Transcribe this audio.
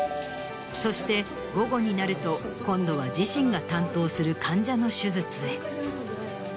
そして午後になると今度は自身が担当する患者の手術へ。